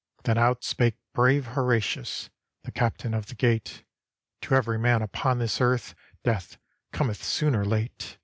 Then out spake brave Horatius, The Captain of the Gate: "To every man upon this earth Death cometh soon or late.